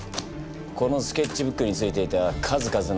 このスケッチブックについていた数々のシミ。